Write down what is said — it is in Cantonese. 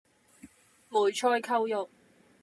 梅菜扣肉